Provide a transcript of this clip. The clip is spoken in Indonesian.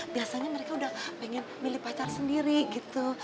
biasanya mereka udah pengen milih pacar sendiri gitu